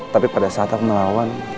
tapi pada saat aku melawan